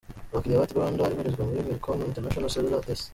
Abakiliya ba Tigo Rwanda ibarizwa muri Millicom International Cellular S.